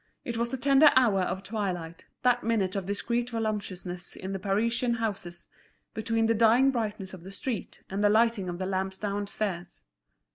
It was the tender hour of twilight, that minute of discreet voluptuousness in the Parisian houses, between the dying brightness of the street and the lighting of the lamps downstairs.